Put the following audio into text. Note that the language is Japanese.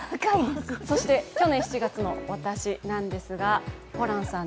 そして去年７月の私なんですがホランさん